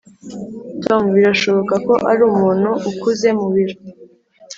tom birashoboka ko ari umuntu ukuze mu biro.